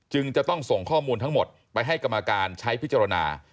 จึงจะต้องส่งข้อมูลทั้งหมดไปให้กรรมการใช้พิจารณา